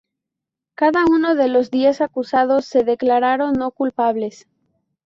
Cada uno de los diez acusados se declararon no culpables.